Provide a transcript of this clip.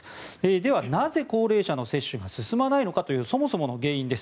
では、なぜ高齢者の接種が進まないのかというそもそもの原因です。